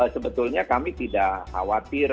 sebetulnya kami tidak khawatir